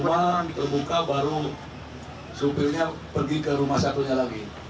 rumah terbuka baru supirnya pergi ke rumah satunya lagi